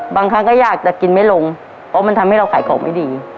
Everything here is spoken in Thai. บางครั้งก็อยากจะกินไม่ลงเพราะมันทำให้เราขายของไม่ดี